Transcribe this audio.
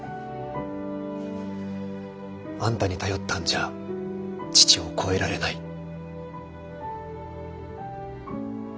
あんたに頼ったんじゃ父を超えられない。